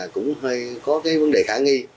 cũng hay có cái vấn đề khả nghi